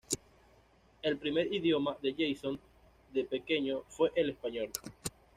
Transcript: El primer idioma de Jason de pequeño fue el español.